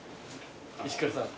石倉さん。